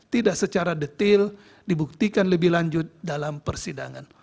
tidak secara detail dibuktikan lebih lanjut dalam persidangan